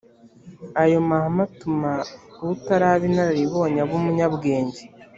ayo mahame atuma utaraba inararibonye aba umunyabwenge